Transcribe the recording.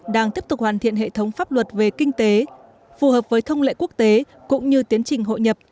đang tiếp tục hoàn thiện hệ thống pháp luật về kinh tế phù hợp với thông lệ quốc tế cũng như tiến trình hội nhập